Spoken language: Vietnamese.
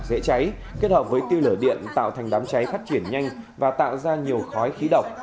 dễ cháy kết hợp với tiêu lửa điện tạo thành đám cháy phát triển nhanh và tạo ra nhiều khói khí độc